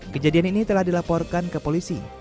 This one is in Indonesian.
kejadian ini telah dilaporkan ke polisi